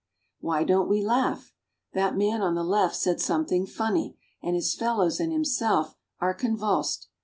Why don't we laugh ? That man on the left said some thing funny, and his fellows and himself are convulsed.